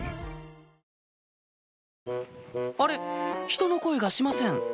人の声がしません